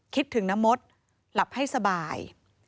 คิดถึงน้ำมดหลับให้สบาย